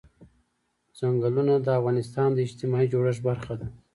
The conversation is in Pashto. چنګلونه د افغانستان د اجتماعي جوړښت برخه ده.